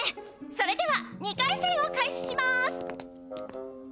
それでは２かいせんを開始します。